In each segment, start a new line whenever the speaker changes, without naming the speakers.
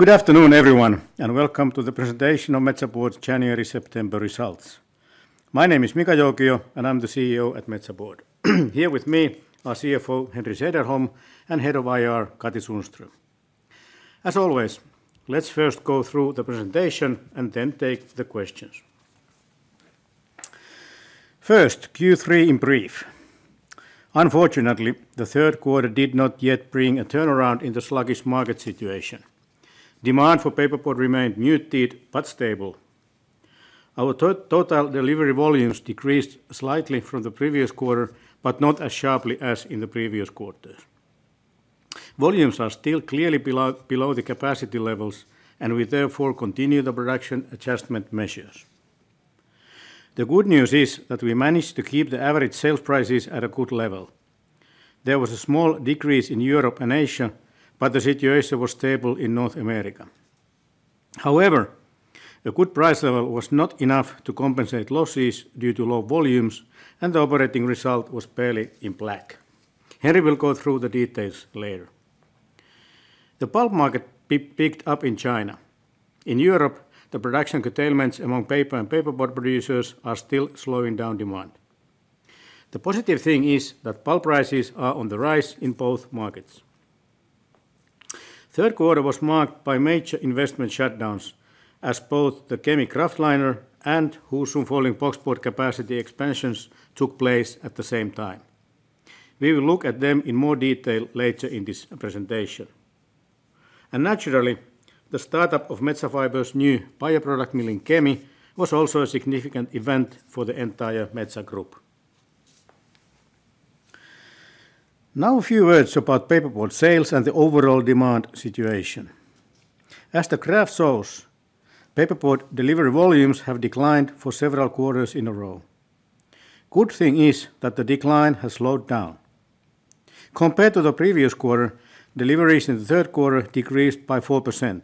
Good afternoon, everyone, and welcome to the presentation of Metsä Board's January-September results. My name is Mika Joukio, and I'm the CEO at Metsä Board. Here with me are CFO Henri Sederholm and Head of IR, Katri Sundström. As always, let's first go through the presentation and then take the questions. First, Q3 in brief. Unfortunately, the third quarter did not yet bring a turnaround in the sluggish market situation. Demand for paperboard remained muted but stable. Our total delivery volumes decreased slightly from the previous quarter, but not as sharply as in the previous quarters. Volumes are still clearly below the capacity levels, and we therefore continue the production adjustment measures. The good news is that we managed to keep the average sales prices at a good level. There was a small decrease in Europe and Asia, but the situation was stable in North America. However, a good price level was not enough to compensate losses due to low volumes, and the operating result was barely in black. Henri will go through the details later. The pulp market picked up in China. In Europe, the production curtailments among paper and paperboard producers are still slowing down demand. The positive thing is that pulp prices are on the rise in both markets. Third quarter was marked by major investment shutdowns, as both the Kemi kraftliner and Husum folding boxboard capacity expansions took place at the same time. We will look at them in more detail later in this presentation. Naturally, the startup of Metsä Fibre's new bioproduct mill in Kemi was also a significant event for the entire Metsä Group. Now, a few words about paperboard sales and the overall demand situation. As the graph shows, paperboard delivery volumes have declined for several quarters in a row. Good thing is that the decline has slowed down. Compared to the previous quarter, deliveries in the third quarter decreased by 4%,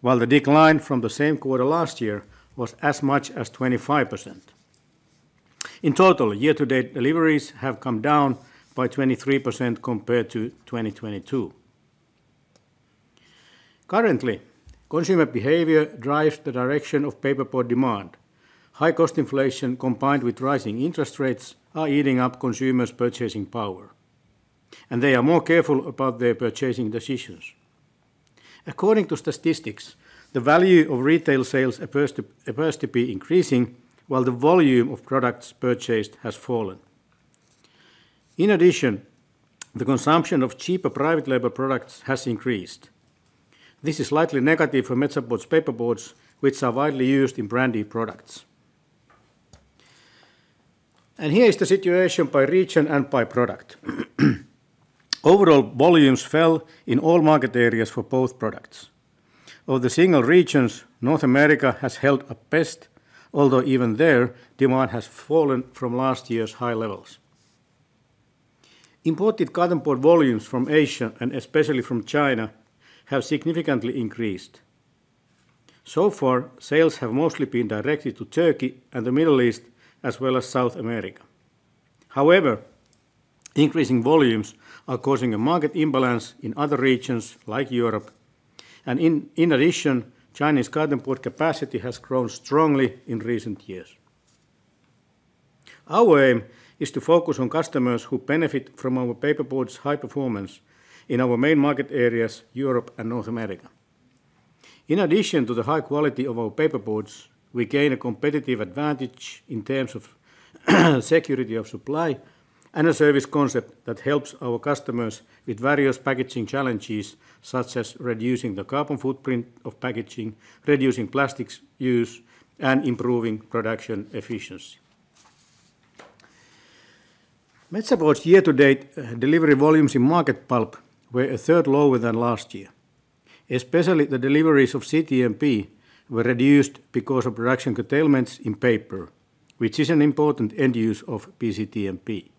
while the decline from the same quarter last year was as much as 25%. In total, year-to-date deliveries have come down by 23% compared to 2022. Currently, consumer behavior drives the direction of paperboard demand. High cost inflation, combined with rising interest rates, are eating up consumers' purchasing power, and they are more careful about their purchasing decisions. According to statistics, the value of retail sales appears to be increasing, while the volume of products purchased has fallen. In addition, the consumption of cheaper private label products has increased. This is slightly negative for Metsä Board's paperboards, which are widely used in branded products. Here is the situation by region and by product. Overall volumes fell in all market areas for both products. Of the single regions, North America has held up best, although even there, demand has fallen from last year's high levels. Imported cartonboard volumes from Asia, and especially from China, have significantly increased. So far, sales have mostly been directed to Turkey and the Middle East, as well as South America. However, increasing volumes are causing a market imbalance in other regions, like Europe, and in addition, Chinese cartonboard capacity has grown strongly in recent years. Our aim is to focus on customers who benefit from our paperboard's high performance in our main market areas, Europe and North America. In addition to the high quality of our paperboards, we gain a competitive advantage in terms of security of supply and a service concept that helps our customers with various packaging challenges, such as reducing the carbon footprint of packaging, reducing plastics use, and improving production efficiency. Metsä Board's year-to-date delivery volumes in market pulp were a third lower than last year. Especially, the deliveries of CTMP were reduced because of production curtailments in paper, which is an important end use of BCTMP.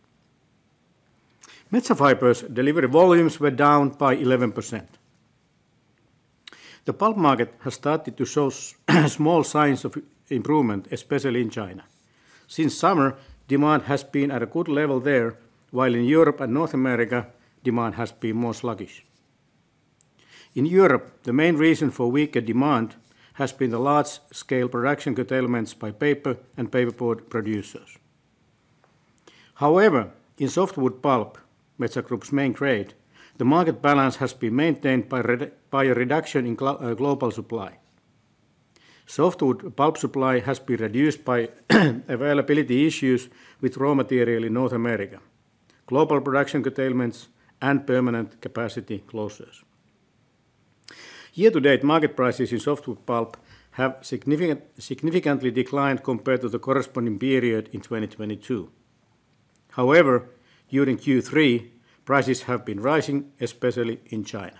Metsä Fibre's delivery volumes were down by 11%. The pulp market has started to show small signs of improvement, especially in China. Since summer, demand has been at a good level there, while in Europe and North America, demand has been more sluggish. In Europe, the main reason for weaker demand has been the large-scale production curtailments by paper and paperboard producers. However, in softwood pulp, Metsä Group's main trade, the market balance has been maintained by a reduction in global supply. Softwood pulp supply has been reduced by availability issues with raw material in North America, global production curtailments, and permanent capacity closures. Year-to-date, market prices in softwood pulp have significantly declined compared to the corresponding period in 2022. However, during Q3, prices have been rising, especially in China.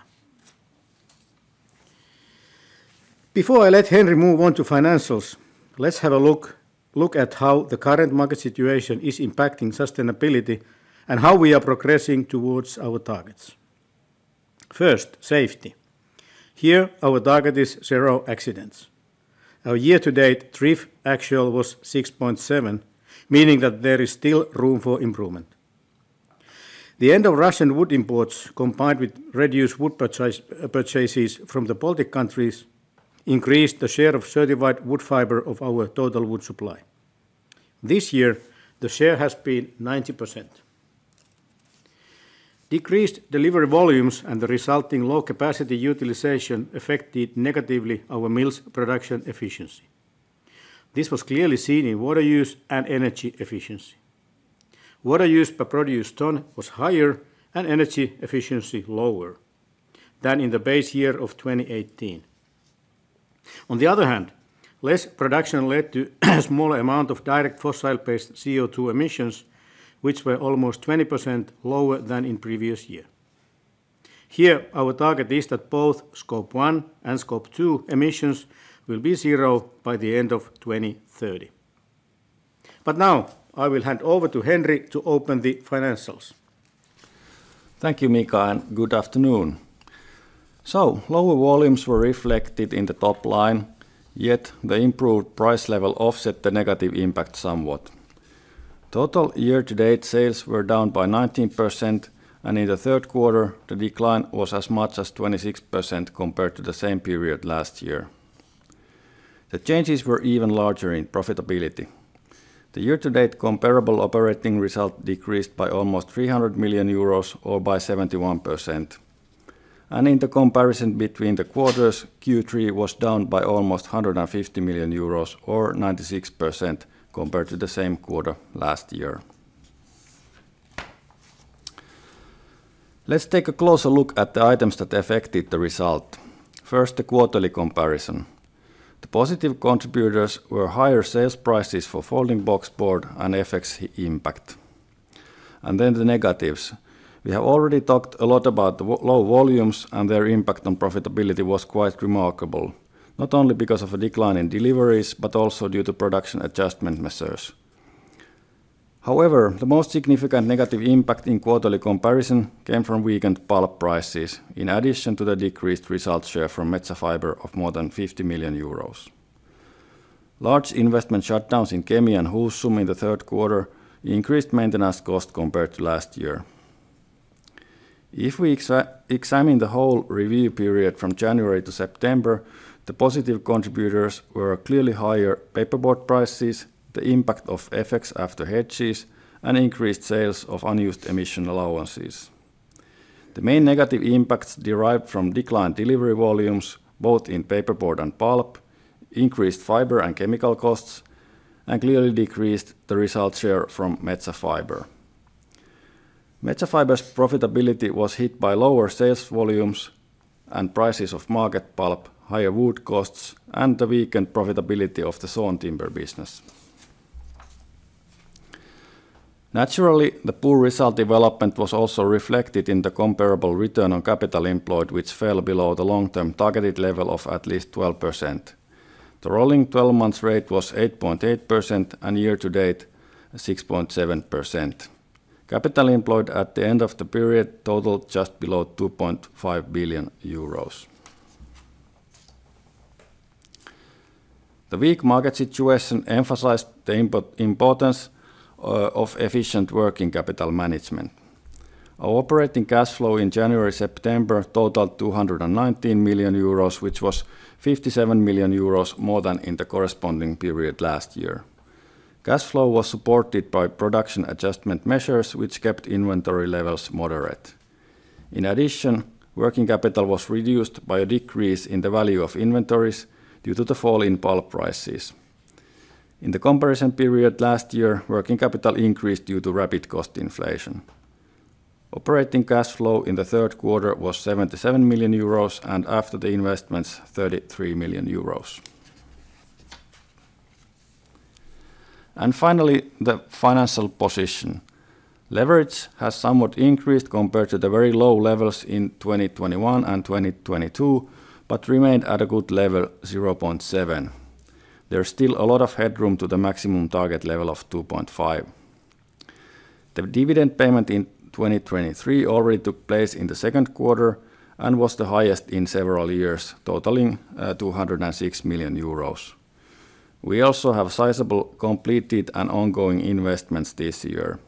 Before I let Henri move on to financials, let's have a look at how the current market situation is impacting sustainability and how we are progressing towards our targets. First, safety. Here, our target is zero accidents. Our year-to-date TRIF actual was 6.7, meaning that there is still room for improvement. The end of Russian wood imports, combined with reduced wood purchases from the Baltic countries, increased the share of certified wood fiber of our total wood supply. This year, the share has been 90%. Decreased delivery volumes and the resulting low capacity utilization affected negatively our mill's production efficiency. This was clearly seen in water use and energy efficiency. Water use per produced ton was higher, and energy efficiency lower than in the base year of 2018. On the other hand, less production led to a smaller amount of direct fossil-based CO2 emissions, which were almost 20% lower than in previous year. Here, our target is that both Scope 1 and Scope 2 emissions will be zero by the end of 2030. But now, I will hand over to Henri to open the financials.
Thank you, Mika, and good afternoon. So lower volumes were reflected in the top line, yet the improved price level offset the negative impact somewhat. Total year-to-date sales were down by 19%, and in the third quarter, the decline was as much as 26% compared to the same period last year. The changes were even larger in profitability. The year-to-date comparable operating result decreased by almost 300 million euros, or by 71%. In the comparison between the quarters, Q3 was down by almost 150 million euros or 96% compared to the same quarter last year. Let's take a closer look at the items that affected the result. First, the quarterly comparison. The positive contributors were higher sales prices for folding boxboard and FX impact. Then the negatives. We have already talked a lot about the low volumes, and their impact on profitability was quite remarkable, not only because of a decline in deliveries, but also due to production adjustment measures. However, the most significant negative impact in quarterly comparison came from weakened pulp prices, in addition to the decreased result share from Metsä Fibre of more than 50 million euros. Large investment shutdowns in Kemi and Husum in the third quarter increased maintenance cost compared to last year. If we examine the whole review period from January to September, the positive contributors were clearly higher paperboard prices, the impact of FX after hedges, and increased sales of unused emission allowances. The main negative impacts derived from declined delivery volumes, both in paperboard and pulp, increased fiber and chemical costs, and clearly decreased the result share from Metsä Fibre. Metsä Fibre's profitability was hit by lower sales volumes and prices of market pulp, higher wood costs, and the weakened profitability of the sawn timber business. Naturally, the poor result development was also reflected in the comparable return on capital employed, which fell below the long-term targeted level of at least 12%. The rolling twelve months rate was 8.8%, and year-to-date, 6.7%. Capital employed at the end of the period totaled just below 2.5 billion euros. The weak market situation emphasized the importance of efficient working capital management. Our operating cash flow in January-September totaled 219 million euros, which was 57 million euros more than in the corresponding period last year. Cash flow was supported by production adjustment measures, which kept inventory levels moderate. In addition, working capital was reduced by a decrease in the value of inventories due to the fall in pulp prices. In the comparison period last year, working capital increased due to rapid cost inflation. Operating cash flow in the third quarter was 77 million euros, and after the investments, 33 million euros. And finally, the financial position. Leverage has somewhat increased compared to the very low levels in 2021 and 2022, but remained at a good level, 0.7. There's still a lot of headroom to the maximum target level of 2.5. The dividend payment in 2023 already took place in the second quarter and was the highest in several years, totaling 206 million euros. We also have sizable completed and ongoing investments this year.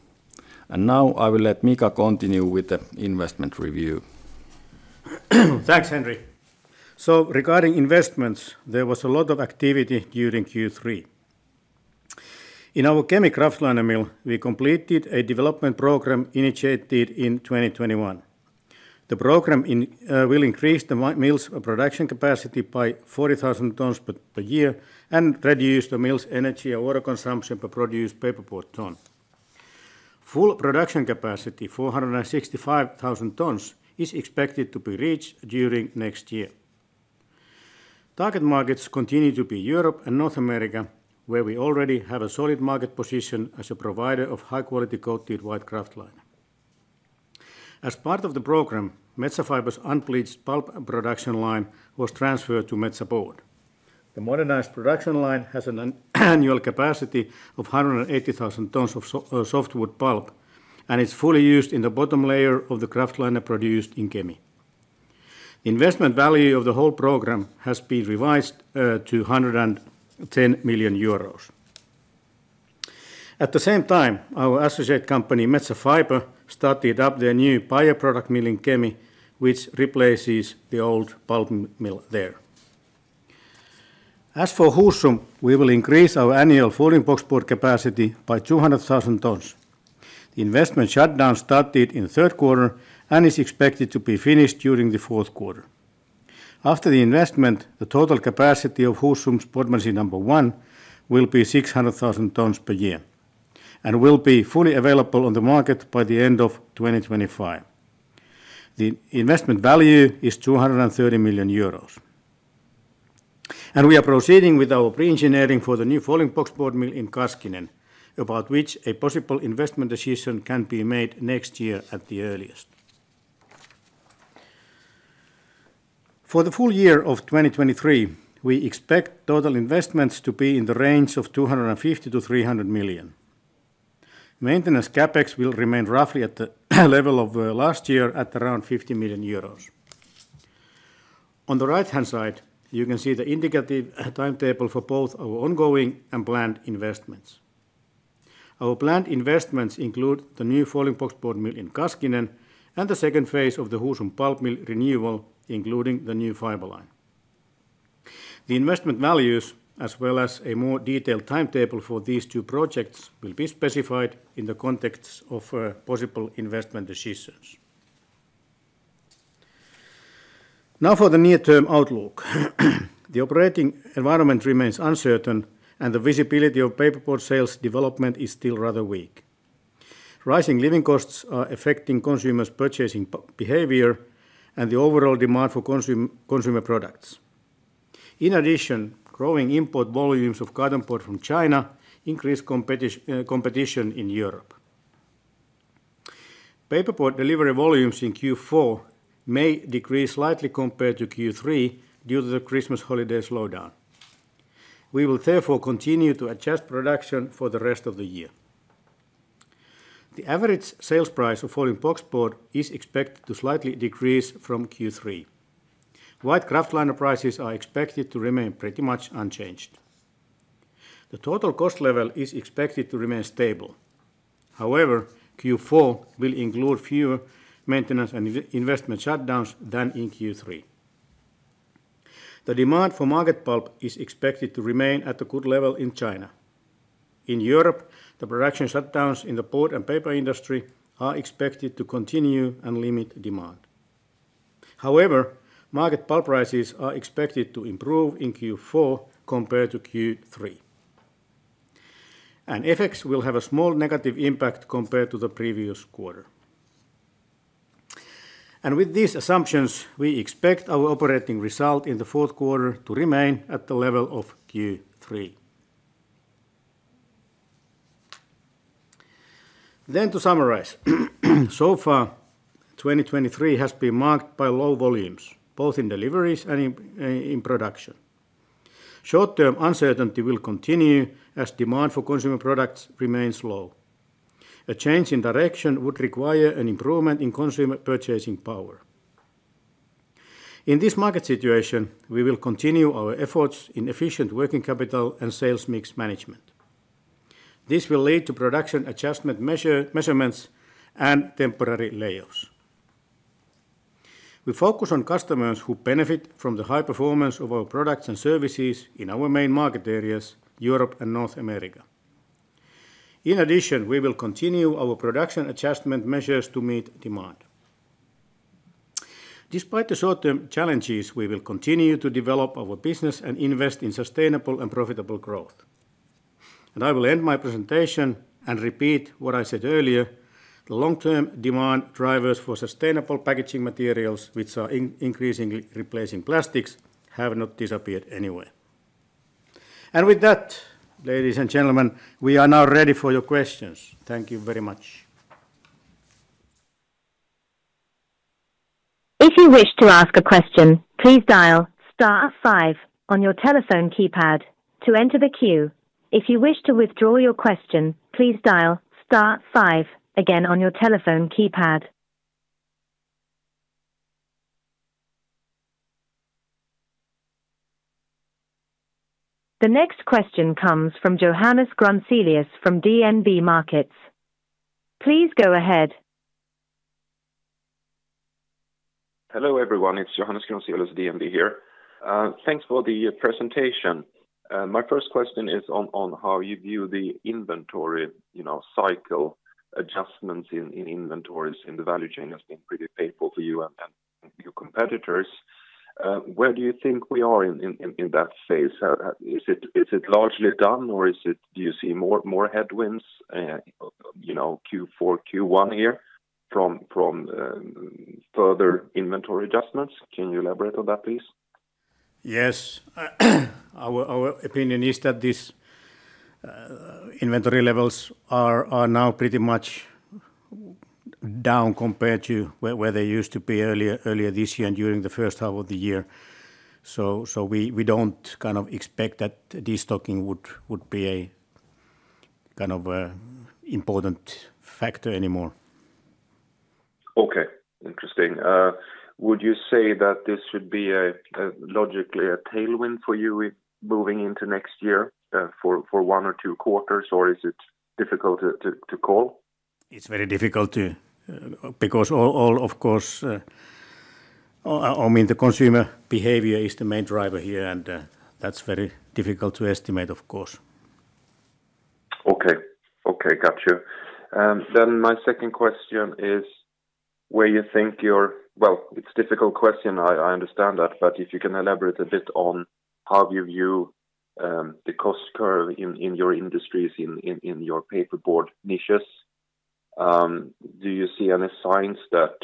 And now I will let Mika continue with the investment review.
Thanks, Henri. So regarding investments, there was a lot of activity during Q3. In our Kemi kraftliner mill, we completed a development program initiated in 2021. The program will increase the mill's production capacity by 40,000 tons per year and reduce the mill's energy and water consumption per produced paperboard ton. Full production capacity, 465,000 tons, is expected to be reached during next year. Target markets continue to be Europe and North America, where we already have a solid market position as a provider of high-quality coated white kraftliner. As part of the program, Metsä Fibre's unbleached pulp production line was transferred to Metsä Board. The modernized production line has an annual capacity of 180,000 tons of softwood pulp, and it's fully used in the bottom layer of the kraftliner produced in Kemi. Investment value of the whole program has been revised to 110 million euros. At the same time, our associate company, Metsä Fibre, started up their new bioproduct mill in Kemi, which replaces the old pulp mill there. As for Husum, we will increase our annual folding boxboard capacity by 200,000 tons. The investment shutdown started in the third quarter and is expected to be finished during the fourth quarter. After the investment, the total capacity of Husum's board machine number one will be 600,000 tons per year, and will be fully available on the market by the end of 2025. The investment value is 230 million euros. We are proceeding with our pre-engineering for the new folding boxboard mill in Kaskinen, about which a possible investment decision can be made next year at the earliest. For the full year of 2023, we expect total investments to be in the range of 250 million-300 million. Maintenance CapEx will remain roughly at the level of last year, at around 50 million euros. On the right-hand side, you can see the indicative timetable for both our ongoing and planned investments. Our planned investments include the new folding boxboard mill in Kaskinen and the second phase of the Husum pulp mill renewal, including the new fiber line. The investment values, as well as a more detailed timetable for these two projects, will be specified in the context of possible investment decisions. Now, for the near-term outlook. The operating environment remains uncertain, and the visibility of paperboard sales development is still rather weak. Rising living costs are affecting consumers' purchasing behavior and the overall demand for consumer products. In addition, growing import volumes of cartonboard from China increase competition in Europe. Paperboard delivery volumes in Q4 may decrease slightly compared to Q3 due to the Christmas holiday slowdown. We will therefore continue to adjust production for the rest of the year. The average sales price of folding boxboard is expected to slightly decrease from Q3. White kraftliner prices are expected to remain pretty much unchanged. The total cost level is expected to remain stable. However, Q4 will include fewer maintenance and investment shutdowns than in Q3. The demand for market pulp is expected to remain at a good level in China. In Europe, the production shutdowns in the board and paper industry are expected to continue and limit demand. However, market pulp prices are expected to improve in Q4 compared to Q3. FX will have a small negative impact compared to the previous quarter. With these assumptions, we expect our operating result in the fourth quarter to remain at the level of Q3. To summarize, so far, 2023 has been marked by low volumes, both in deliveries and in production. Short-term uncertainty will continue as demand for consumer products remains low. A change in direction would require an improvement in consumer purchasing power. In this market situation, we will continue our efforts in efficient working capital and sales mix management. This will lead to production adjustment measurements and temporary layoffs. We focus on customers who benefit from the high performance of our products and services in our main market areas, Europe and North America. In addition, we will continue our production adjustment measures to meet demand. Despite the short-term challenges, we will continue to develop our business and invest in sustainable and profitable growth. I will end my presentation and repeat what I said earlier, the long-term demand drivers for sustainable packaging materials, which are increasingly replacing plastics, have not disappeared anywhere. With that, ladies and gentlemen, we are now ready for your questions. Thank you very much.
If you wish to ask a question, please dial star five on your telephone keypad to enter the queue. If you wish to withdraw your question, please dial star five again on your telephone keypad. The next question comes from Johannes Grunselius from DNB Markets. Please go ahead.
Hello, everyone, it's Johannes Grunselius, DNB here. Thanks for the presentation. My first question is on how you view the inventory cycle adjustments in inventories, and the value chain has been pretty painful for you and your competitors. Where do you think we are in that phase? Is it largely done, or do you see more headwinds, you know, Q4, Q1 here, from further inventory adjustments? Can you elaborate on that, please?
Yes. Our opinion is that these inventory levels are now pretty much down compared to where they used to be earlier this year and during the first half of the year. So we don't kind of expect that destocking would be a kind of important factor anymore.
Okay. Interesting. Would you say that this should be logically a tailwind for you with moving into next year, for one or two quarters? Or is it difficult to call?
It's very difficult to, because, of course, I mean, the consumer behavior is the main driver here, and that's very difficult to estimate, of course.
Okay. Okay, got you. Then my second question is, Well, it's a difficult question. I understand that, but if you can elaborate a bit on how you view the cost curve in your industries, in your paperboard niches. Do you see any signs that,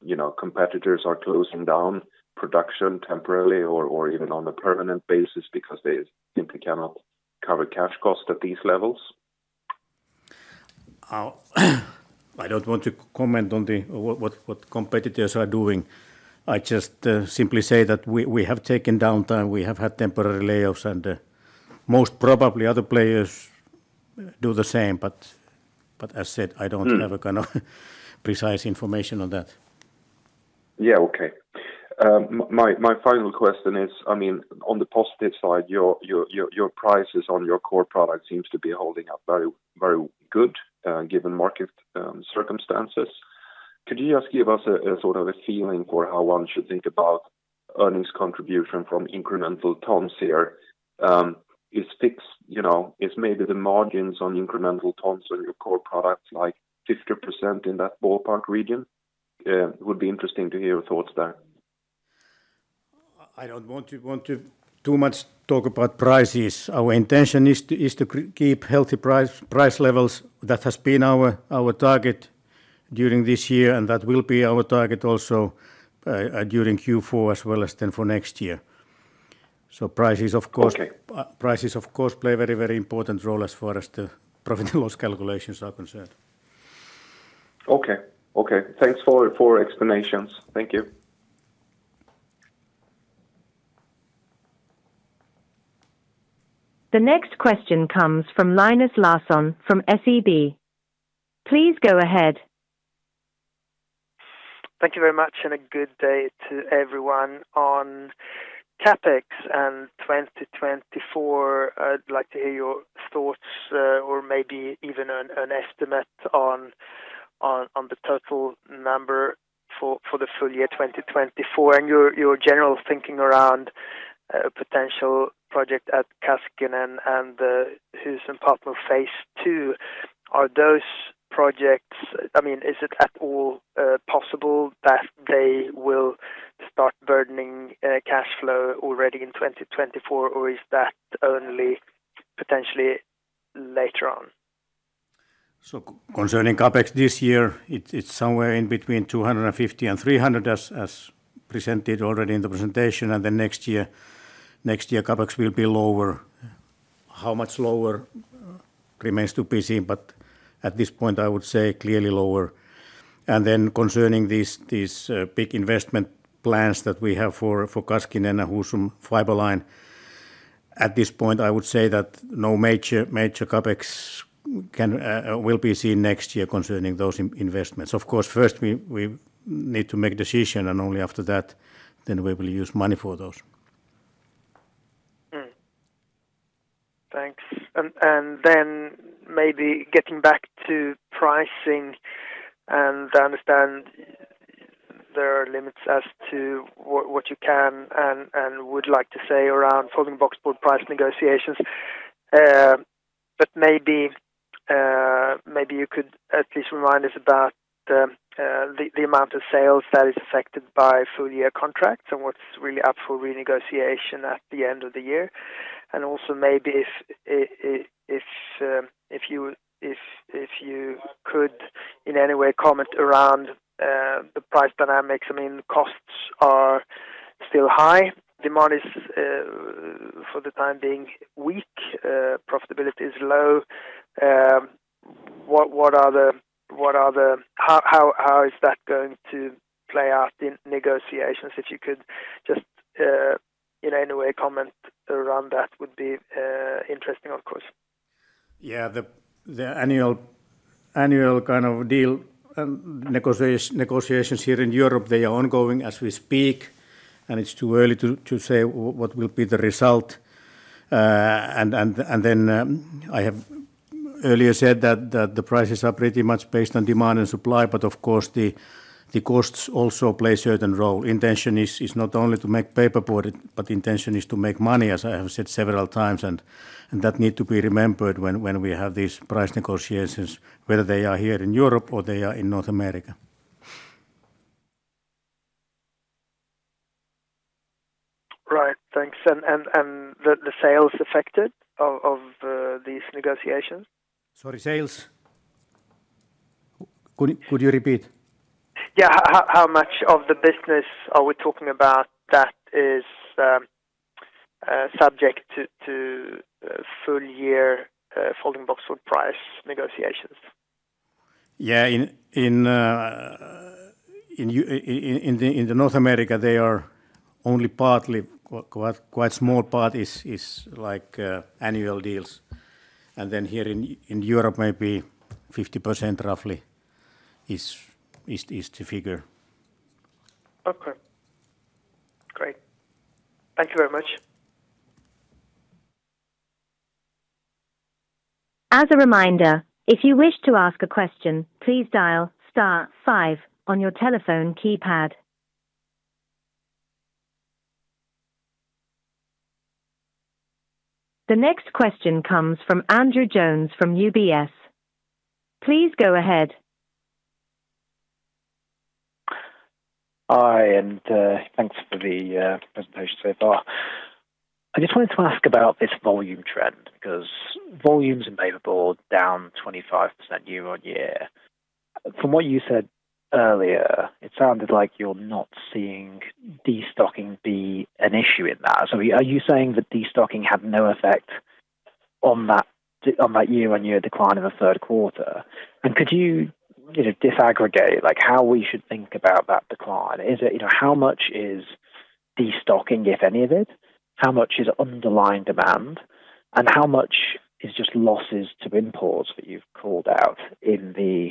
you know, competitors are closing down production temporarily or even on a permanent basis because they simply cannot cover cash cost at these levels?
I don't want to comment on what competitors are doing. I just simply say that we have taken downtime, we have had temporary layoffs, and most probably other players do the same. But as said, I don't- Have a kind of precise information on that.
Yeah, okay. My final question is, I mean, on the positive side, your prices on your core product seems to be holding up very, very good, given market circumstances. Could you just give us a sort of a feeling for how one should think about earnings contribution from incremental tons here? Is fixed, you know, is maybe the margins on incremental tons on your core products, like 50% in that ballpark region? It would be interesting to hear your thoughts there.
I don't want to talk too much about prices. Our intention is to keep healthy price levels. That has been our target during this year, and that will be our target also during Q4 as well as then for next year. So prices, of course-
Okay
Prices, of course, play a very, very important role as far as the profit and loss calculations are concerned.
Okay. Okay, thanks for explanations. Thank you.
The next question comes from Linus Larsson from SEB. Please go ahead.
Thank you very much, and a good day to everyone. On CapEx and 2024, I'd like to hear your thoughts, or maybe even an estimate on the total number for the full year 2024, and your general thinking around potential project at Kaskinen and Husum part of phase II. Are those projects, I mean, is it at all possible that they will start burdening cash flow already in 2024, or is that only potentially later on?
So concerning CapEx this year, it's somewhere between 250 and 300, as presented already in the presentation, and then next year, next year, CapEx will be lower. How much lower remains to be seen, but at this point, I would say clearly lower. And then concerning these, these big investment plans that we have for Kaskinen and Husum fiber line, at this point, I would say that no major, major CapEx can, will be seen next year concerning those investments. Of course, first, we need to make decision, and only after that, then we will use money for those.
Thanks. And then maybe getting back to pricing, and I understand there are limits as to what you can and would like to say around folding boxboard price negotiations. But maybe you could at least remind us about the amount of sales that is affected by full year contracts and what's really up for renegotiation at the end of the year. And also maybe if you could, in any way, comment around the price dynamics. I mean, costs are still high. Demand is, for the time being weak, profitability is low. What are the how is that going to play out in negotiations? If you could just, in any way, comment around that would be interesting, of course.
Yeah, the annual kind of deal negotiations here in Europe, they are ongoing as we speak, and it's too early to say what will be the result. And then, I have earlier said that the prices are pretty much based on demand and supply, but of course, the costs also play a certain role. Intention is not only to make paper board, but the intention is to make money, as I have said several times, and that need to be remembered when we have these price negotiations, whether they are here in Europe or they are in North America.
Right. Thanks. And the sales affected of these negotiations?
Sorry, sales? Could you repeat?
Yeah. How much of the business are we talking about that is subject to full-year folding boxboard price negotiations?
Yeah, in the North America, they are only partly quite small part is like annual deals. And then here in Europe, maybe 50% roughly is the figure.
Okay. Great. Thank you very much.
As a reminder, if you wish to ask a question, please dial star five on your telephone keypad. The next question comes from Andrew Jones from UBS. Please go ahead.
Hi, and thanks for the presentation so far. I just wanted to ask about this volume trend, because volumes in paperboard down 25% year-on-year. From what you said earlier, it sounded like you're not seeing destocking be an issue in that. So are you saying that destocking had no effect on that, on that year-on-year decline in the third quarter? And could you, you know, disaggregate, like, how we should think about that decline? Is it? You know, how much is destocking, if any of it? How much is underlying demand? And how much is just losses to imports that you've called out in the,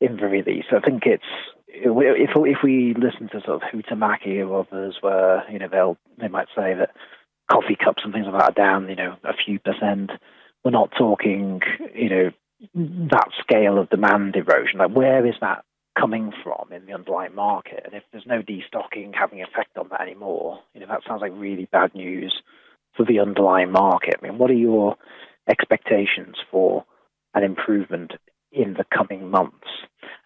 in the release? So I think it's, if we, if we listen to sort of Huhtamaki or others where, you know, they'll, they might say that coffee cups and things like that are down, you know, a few percent. We're not talking, you know, that scale of demand erosion. Like, where is that coming from in the underlying market? And if there's no destocking having an effect on that anymore, you know, that sounds like really bad news for the underlying market. I mean, what are your expectations for an improvement in the coming months?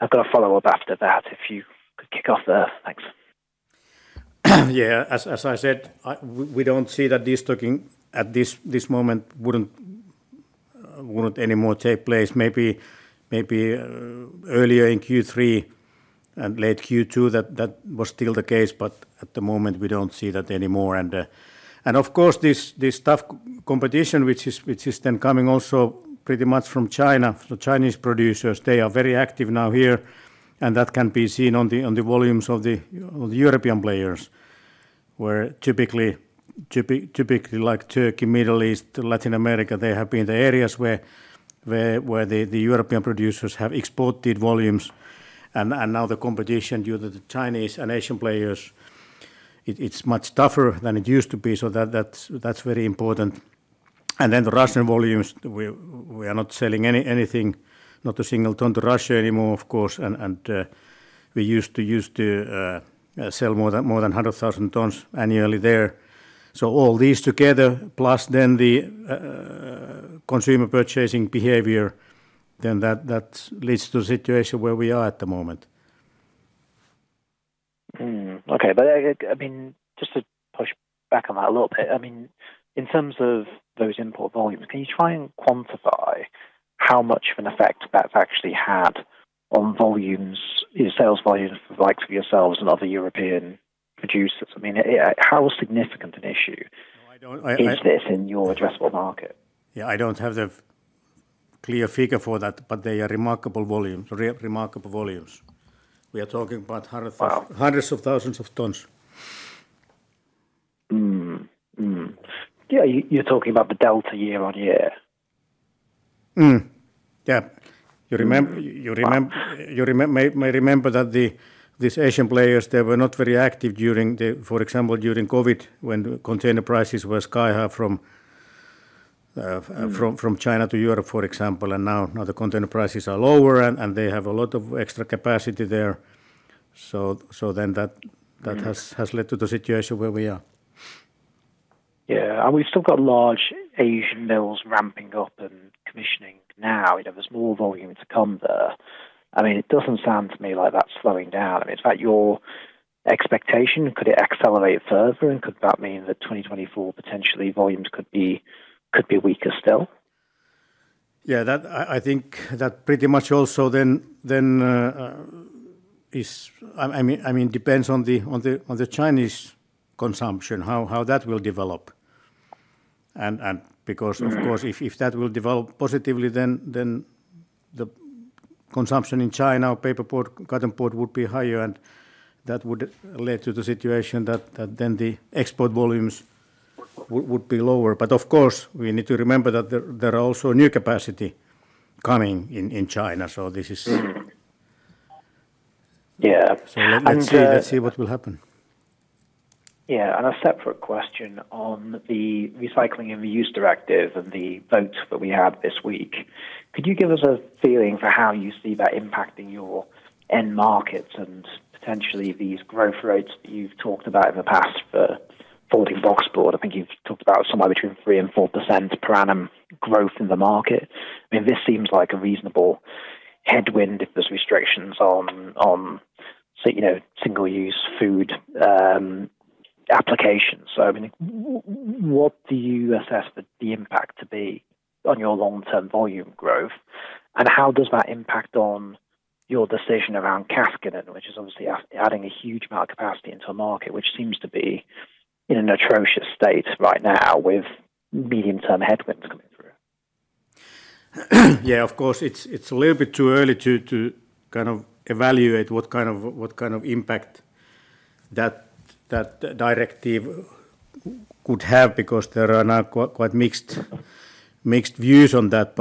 I've got a follow-up after that, if you could kick off there. Thanks.
Yeah, as I said, we don't see that destocking at this moment wouldn't anymore take place. Maybe, earlier in Q3 and late Q2, that was still the case, but at the moment, we don't see that anymore. And of course, this tough competition, which is then coming also pretty much from China. The Chinese producers, they are very active now here, and that can be seen on the volumes of the European players, where typically like Turkey, Middle East, Latin America, they have been the areas where the European producers have exported volumes. And now the competition due to the Chinese and Asian players, it's much tougher than it used to be. So that's very important. And then the Russian volumes, we are not selling anything, not a single ton to Russia anymore, of course, and we used to sell more than 100,000 tons annually there. So all these together, plus then the consumer purchasing behavior, that leads to the situation where we are at the moment.
Okay, but, I mean, just to push back on that a little bit, I mean, in terms of those import volumes, can you try and quantify how much of an effect that's actually had on volumes, in sales volumes, the likes of yourselves and other European producers? I mean, how significant an issue-
No, I don't.
- Is this in your addressable market?
Yeah, I don't have the clear figure for that, but they are remarkable volumes, remarkable volumes. We are talking about hundred-
Wow!
Hundreds of thousands of tons.
Yeah, you, you're talking about the delta year on year?
Yeah. You remem-
Wow.
You may remember that these Asian players, they were not very active during the, for example, during COVID, when container prices were sky high from. From China to Europe, for example, and now the container prices are lower, and they have a lot of extra capacity there. So then that- That has led to the situation where we are.
Yeah, and we've still got large Asian mills ramping up and commissioning now. You know, there's more volume to come there. I mean, it doesn't sound to me like that's slowing down. I mean, is that your expectation? Could it accelerate further, and could that mean that 2024, potentially, volumes could be, could be weaker still?
Yeah, I think that pretty much also then is I mean, depends on the Chinese consumption, how that will develop. And because- Of course, if that will develop positively, then the consumption in China, paperboard, cartonboard, would be higher, and that would lead to the situation that then the export volumes would be lower. But of course, we need to remember that there are also new capacity coming in China. So this is-
Yeah, and
Let's see, let's see what will happen.
Yeah, on a separate question on the Recycling and Reuse Directive and the vote that we had this week, could you give us a feeling for how you see that impacting your end markets and potentially these growth rates that you've talked about in the past for folding boxboard? I think you've talked about somewhere between 3% and 4% per annum growth in the market. I mean, this seems like a reasonable headwind, if there's restrictions on, on, say, you know, single-use food applications. So, I mean, what do you assess the, the impact to be on your long-term volume growth, and how does that impact on your decision around Kaskinen, which is obviously adding a huge amount of capacity into a market which seems to be in an atrocious state right now with medium-term headwinds coming through?
Yeah, of course, it's a little bit too early to kind of evaluate what kind of impact that directive could have, because there are now quite mixed views on that.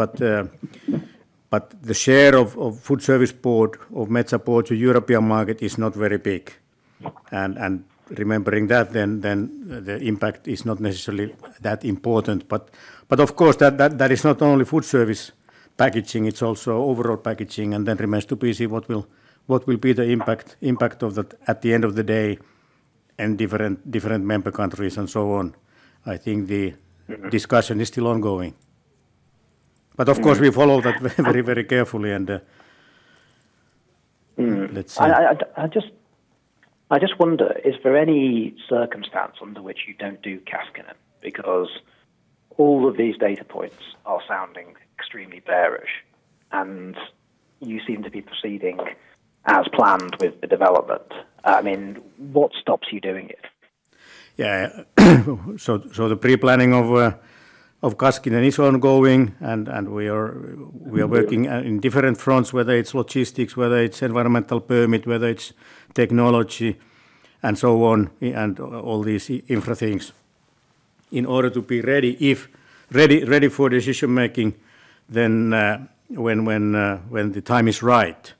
But the share of food service board of Metsä Board to European market is not very big.
Okay.
And remembering that, then the impact is not necessarily that important. But of course, that is not only food service packaging, it's also overall packaging, and then remains to be seen what will be the impact of that at the end of the day in different member countries and so on. I think the- Discussion is still ongoing. But of course, we follow that very, very carefully, and let's see.
I just wonder, is there any circumstance under which you don't do Kaskinen? Because all of these data points are sounding extremely bearish, and you seem to be proceeding as planned with the development. I mean, what stops you doing it?
Yeah. So the pre-planning of Kaskinen is ongoing, and we are- We are working in different fronts, whether it's logistics, whether it's environmental permit, whether it's technology, and so on, and all these infra things, in order to be ready, if ready, ready for decision-making then, when, when, when the time is right.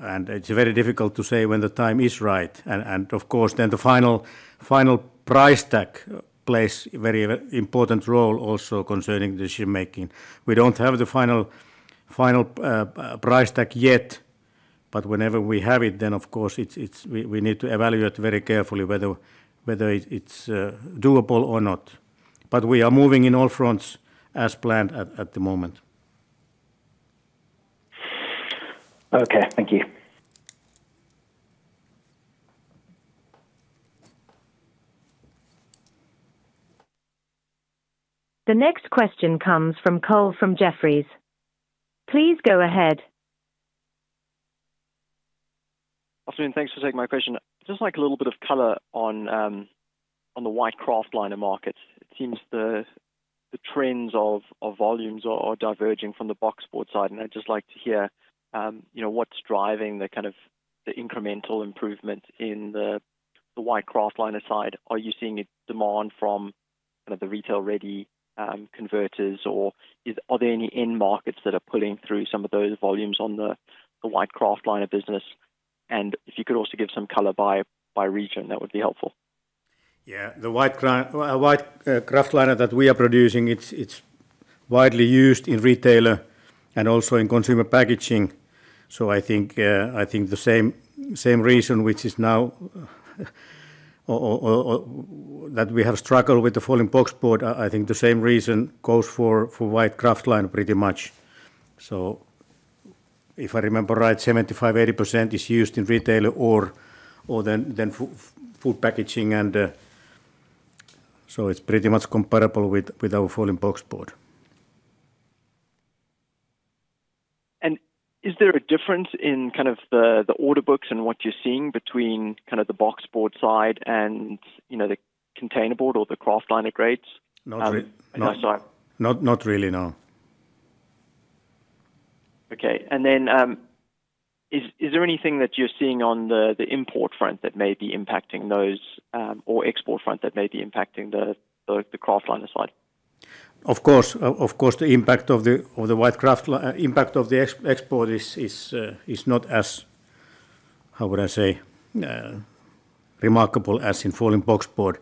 And it's very difficult to say when the time is right. And, and of course, then the final, final price tag plays a very important role also concerning decision-making. We don't have the final, final price tag yet, but whenever we have it, then, of course, it's, it's, we, we need to evaluate very carefully whether, whether it, it's, doable or not. But we are moving in all fronts as planned at the moment.
Okay, thank you.
The next question comes from Cole, from Jefferies. Please go ahead.
Afternoon. Thanks for taking my question. Just like a little bit of color on the white kraftliner market. It seems the trends of volumes are diverging from the boxboard side, and I'd just like to hear you know what's driving the kind of the incremental improvement in the white kraftliner side. Are you seeing a demand from the retail-ready converters, or are there any end markets that are pulling through some of those volumes on the white kraftliner business? And if you could also give some color by region, that would be helpful.
Yeah. The white kraftliner that we are producing, it's widely used in retail and also in consumer packaging. So I think the same reason which is now or that we have struggled with the folding boxboard, I think the same reason goes for white kraftliner pretty much. So if I remember right, 75%-80% is used in retail or then food packaging. So it's pretty much comparable with our folding boxboard.
Is there a difference in kind of the order books and what you're seeing between kind of the boxboard side and, you know, the containerboard or the kraftliner grades?
Not re-
I'm sorry.
Not, not really, no.
Okay. And then, is there anything that you're seeing on the import front that may be impacting those, or export front that may be impacting the kraft liner side?
Of course. Of course, the impact of the white kraftliner impact of the export is not as, how would I say, remarkable as in folding boxboard.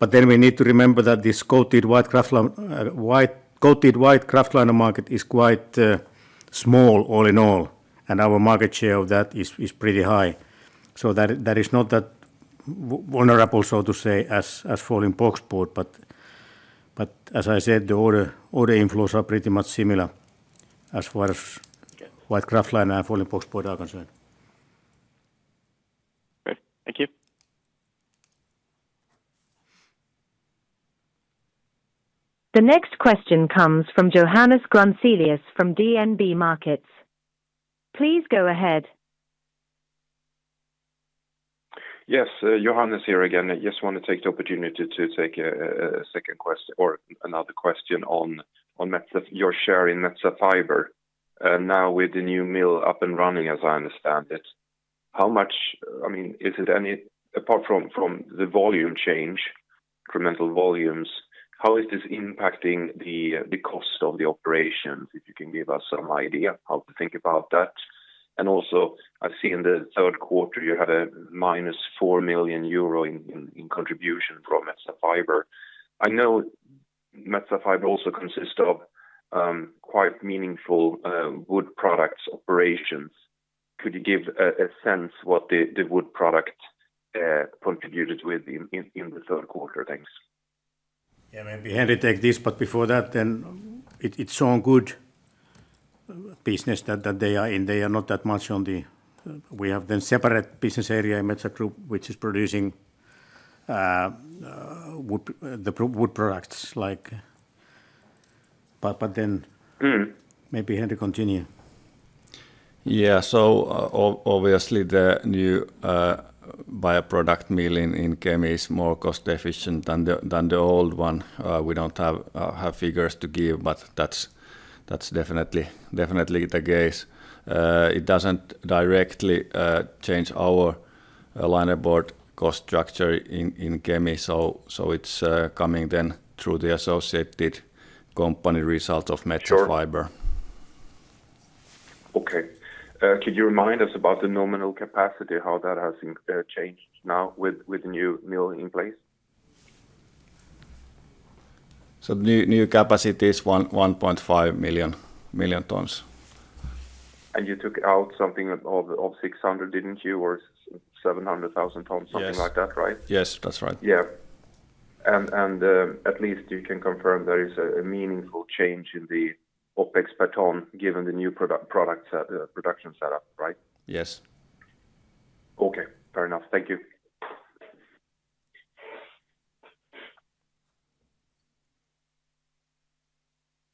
But then we need to remember that this coated white kraftliner market is quite small all in all, and our market share of that is pretty high. So that is not that vulnerable, so to say, as folding boxboard. But as I said, the order inflows are pretty much similar as far as-
Okay
White kraftliner and folding boxboard are concerned.
Great. Thank you.
The next question comes from Johannes Grunselius from DNB Markets. Please go ahead.
Yes, Johannes here again. I just want to take the opportunity to take a second or another question on Metsä, your share in Metsä Fibre. Now, with the new mill up and running, as I understand it, how much I mean, is it any apart from the volume change, incremental volumes, how is this impacting the cost of the operations? If you can give us some idea how to think about that. Also, I've seen in the third quarter, you had a -4 million euro in contribution from Metsä Fibre. I know Metsä Fibre also consists of quite meaningful wood products operations. Could you give a sense what the wood product contributed with in the third quarter? Thanks.
Yeah, maybe I'll take this, but before that, then it's sawn wood business that they are in. They are not that much on the we have then separate business area in Metsä Group, which is producing wood products like but then- Maybe, Henri, continue.
Yeah, so obviously, the new bioproduct mill in Kemi is more cost efficient than the old one. We don't have figures to give, but that's definitely the case. It doesn't directly change our linerboard cost structure in Kemi, so it's coming then through the associated company result of Metsä Fibre.
Sure. Okay. Could you remind us about the nominal capacity, how that has changed now with the new mill in place?
The new capacity is 1.5 million tons.
You took out something of 600, didn't you? Or 700,000 tons-
Yes.
Something like that, right?
Yes, that's right.
Yeah. And at least you can confirm there is a meaningful change in the OpEx per ton, given the new product set, production setup, right?
Yes.
Okay, fair enough. Thank you.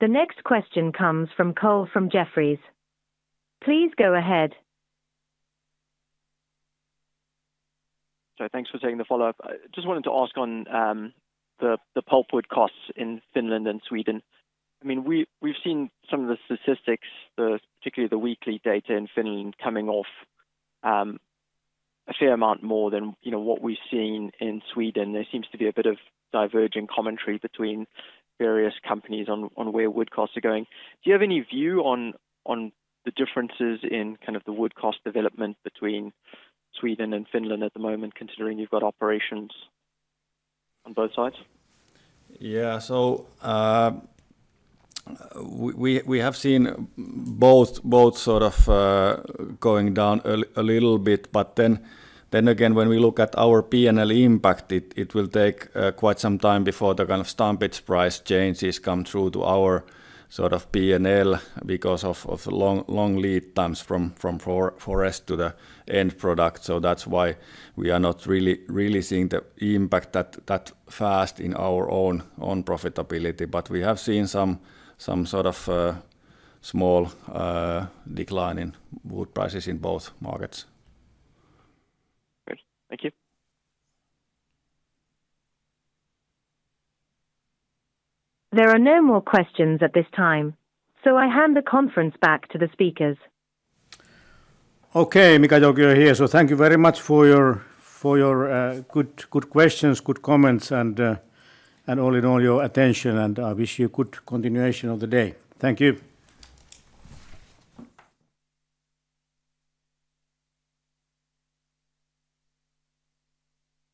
The next question comes from Cole, from Jefferies. Please go ahead.
So thanks for taking the follow-up. I just wanted to ask on the pulp wood costs in Finland and Sweden. I mean, we've seen some of the statistics, particularly the weekly data in Finland coming off a fair amount more than, you know, what we've seen in Sweden. There seems to be a bit of diverging commentary between various companies on where wood costs are going. Do you have any view on the differences in kind of the wood cost development between Sweden and Finland at the moment, considering you've got operations on both sides?
Yeah. So, we have seen both, both sort of going down a little bit, but then again, when we look at our PNL impact, it will take quite some time before the kind of stumpage price changes come through to our sort of PNL because of the long lead times from forest to the end product. So that's why we are not really seeing the impact that fast in our own profitability. But we have seen some sort of small decline in wood prices in both markets.
Great. Thank you.
There are no more questions at this time, so I hand the conference back to the speakers.
Okay, Mika Joukio here. So thank you very much for your, for your good, good questions, good comments, and all in all, your attention, and I wish you good continuation of the day. Thank you!